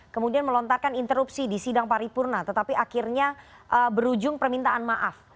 kemudian melontarkan interupsi di sidang paripurna tetapi akhirnya berujung permintaan maaf